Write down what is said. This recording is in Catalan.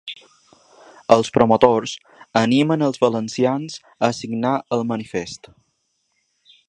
Els promotors animen els valencians a signar el manifest.